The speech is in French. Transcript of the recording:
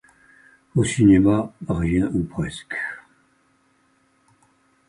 Au cinéma, rien ou presque.